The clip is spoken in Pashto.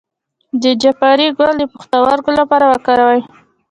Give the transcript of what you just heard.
د جعفری ګل د پښتورګو لپاره وکاروئ